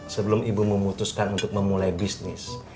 sebelum ibu memutuskan untuk memulai bisnis